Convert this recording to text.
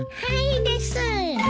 はいです。